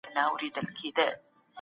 موږ بايد هوښيار واوسو.